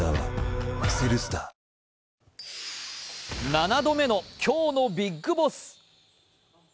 ７度目の今日のビッグボス。